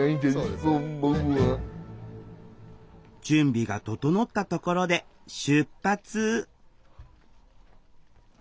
準備が整ったところで出発